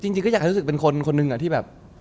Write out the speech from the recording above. จริงก็อยากให้รู้สึกเป็นคนนึงที่แบบ